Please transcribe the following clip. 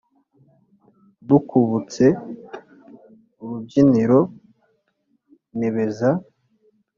Dukubutse urubyiniro ntebeza